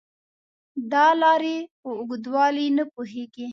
دا لارې په اوږدوالي نه پوهېږي .